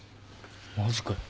マジかよ。